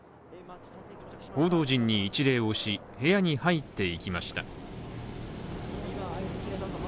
報道陣に一礼をし、部屋に入っていきました。